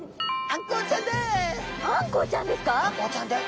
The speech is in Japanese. あんこうちゃんです。